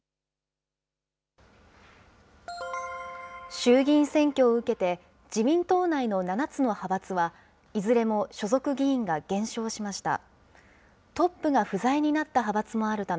衆議院選挙を受けて、自民党内の７つの派閥は、いずれも所属議員が減少しました。